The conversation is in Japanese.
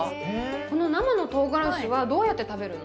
この生のトウガラシはどうやって食べるの？